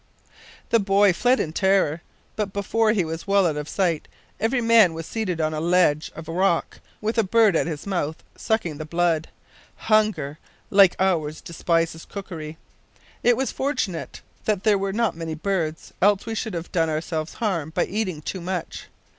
The boy fled in terror, but before he was well out of sight every man was seated on a ledge of rock with a bird at his mouth, sucking the blood! Hunger like ours despises cookery! It was fortunate that there were not many birds, else we should have done ourselves harm by eating too much.